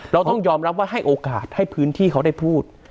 เราต้องยอมรับว่าให้โอกาสให้พื้นที่เขาได้พูด